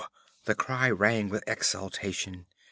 The cry rang with exultation.